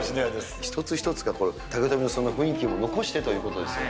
一つ一つが竹富の雰囲気を残してということですね。